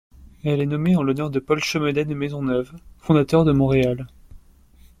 Elle est nommée en l'honneur de Paul Chomedey de Maisonneuve, fondateur de Montréal.